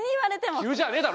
急じゃねえだろ！